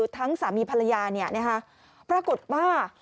ทั้งสามีภรรยาปรากฏว่า